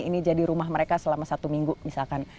ini jadi rumah mereka selama satu minggu misalkan